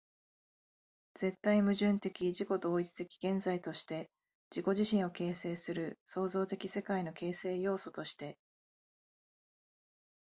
絶対矛盾的自己同一的現在として、自己自身を形成する創造的世界の形成要素として、